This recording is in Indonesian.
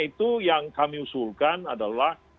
itu yang kami usulkan adalah